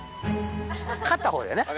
勝ったほうだよね。